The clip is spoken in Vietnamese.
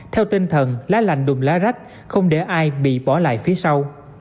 theo tinh thần lá lành đùm lá rách không để ai bị bỏ lại phía sau